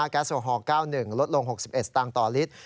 แก๊สโอฮอล๙๑ลดลง๖๑สตางค์ต่อลิตร